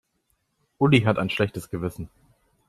Uli hat ein schlechtes Gewissen.